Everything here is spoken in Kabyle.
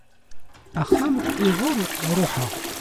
Axxam iɣer ṛuḥeɣ.